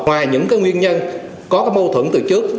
ngoài những cái nguyên nhân có cái mâu thuẫn từ trước